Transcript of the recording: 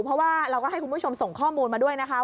เพราะว่าเราก็ให้คุณผู้ชมส่งข้อมูลมาด้วยนะคะ